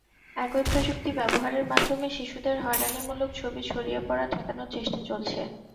একই প্রযুক্তি ব্যবহারের মাধ্যমে শিশুদের হয়রানিমূলক ছবি ছড়িয়ে পড়া ঠেকানোর চেষ্টা চলছে।